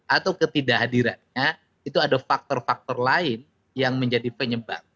atau ketidakhadirannya itu ada faktor faktor lain yang menjadi penyebab